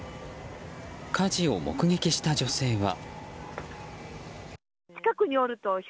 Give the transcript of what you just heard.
火事を目撃した女性は。